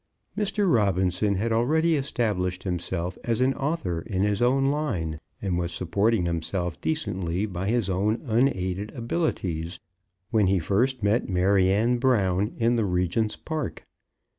Mr. Robinson had already established himself as an author in his own line, and was supporting himself decently by his own unaided abilities, when he first met Maryanne Brown in the Regent's Park.